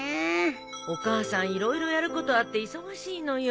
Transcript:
お母さん色々やることあって忙しいのよ。